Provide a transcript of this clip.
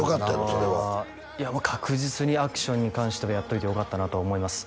それは確実にアクションに関してはやっといてよかったなと思います